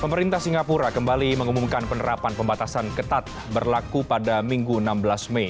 pemerintah singapura kembali mengumumkan penerapan pembatasan ketat berlaku pada minggu enam belas mei